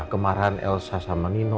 kemarahan elsa sama nino